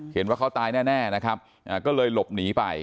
เห็นว่าเขาตายแน่นะครับก็เลยหลบหนีไป